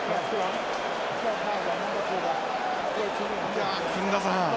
いや薫田さん。